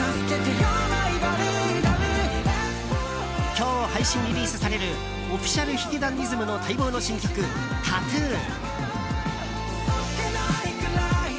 今日配信リリースされるＯｆｆｉｃｉａｌ髭男ｄｉｓｍの待望の新曲、「ＴＡＴＴＯＯ」。